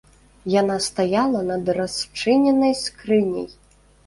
Яна стаяла над расчыненай скрыняй.